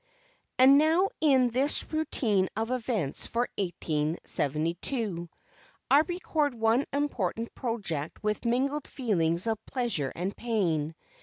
And now in this routine of events for 1872, I record one important project with mingled feelings of pleasure and pain.